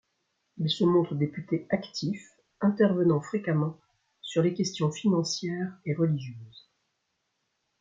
Il se montre député actif, intervenant fréquemment sur les questions financières et religieuses.